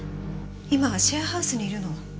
今シェアハウスにいるの。